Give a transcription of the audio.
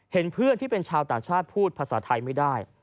เห็นเพื่อนที่เป็นชาวต่างชาติพูดภาษาไทยไม่ได้